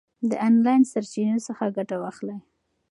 د آنلاین سرچینو څخه ګټه واخلئ.